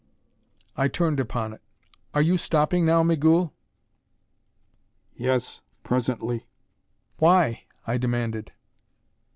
I turned upon it. "Are you stopping now, Migul?" "Yes. Presently." "Why?" I demanded.